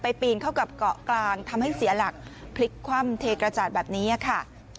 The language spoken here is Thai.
ปีนเข้ากับเกาะกลางทำให้เสียหลักพลิกคว่ำเทกระจาดแบบนี้ค่ะ